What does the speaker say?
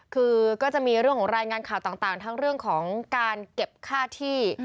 คือก็จะมีเรื่องของรายงานข่าวต่างทั้งเรื่องของการเก็บค่าที่